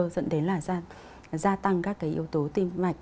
dẫn đến là gia tăng các cái yếu tố tim mạch